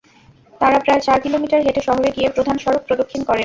তাঁরা প্রায় চার কিলোমিটার হেঁটে শহরে গিয়ে প্রধান সড়ক প্রদক্ষিণ করেন।